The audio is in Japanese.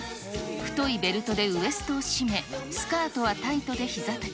太いベルトでウエストを締め、スカートはタイトでひざ丈。